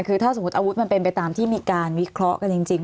คือถ้าสมมุติอาวุธมันเป็นไปตามที่มีการวิเคราะห์กันจริง